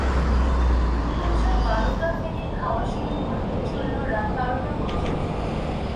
দুপুঞ্জ বারটা থেকে খাওয়া শুরু হল, চলল রাত বারটা পর্যন্ত।